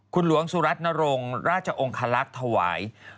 คุณหลวงสุรัตนรงค์ราชองคลักษณ์ถวาย